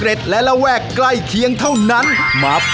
อร่อยเชียบแน่นอนครับอร่อยเชียบแน่นอนครับ